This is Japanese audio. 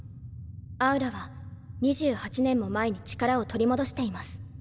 アウラは２８年も前に力を取り戻しています。